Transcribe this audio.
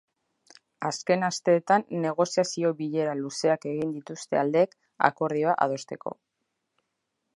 Azken asteetan negoziazio bilera luzeak egin dituzte aldeek akordioa adosteko.